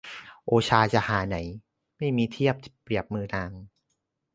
โอชาจะหาไหน ไม่มีเทียบเปรียบมือนาง